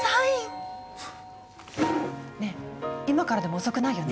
ねえ今からでも遅くないよね